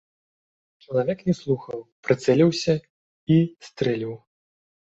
Чалавек не слухаў, прыцэліўся і стрэліў.